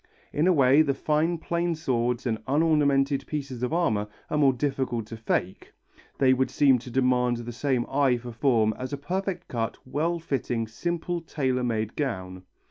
In a way the fine plain swords and unornamented pieces of armour are more difficult to fake; they would seem to demand the same eye for form as a perfectly cut, well fitting, simple tailor made gown.